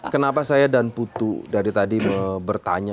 kenapa saya dan putu dari tadi bertanya